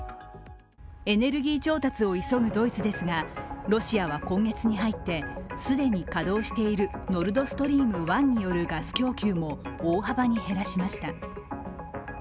エネルギー調達を急ぐドイツですが、ロシアは今月に入って既に稼動しているノルドストリーム１によるガス供給も大幅に減らしました。